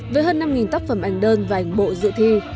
với hơn năm tác phẩm ảnh đơn và ảnh bộ dự thi